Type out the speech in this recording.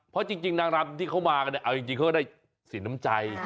เพราะจริงนางรำที่เขามากันเนี่ยเอาจริงเขาก็ได้สินน้ำใจ